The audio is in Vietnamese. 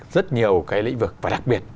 rất nhiều cái lĩnh vực và đặc biệt